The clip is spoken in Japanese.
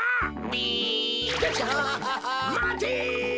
まて！